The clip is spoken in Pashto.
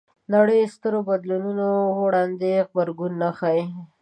نړۍ سترو بدلونونو وړاندې غبرګون نه ښيي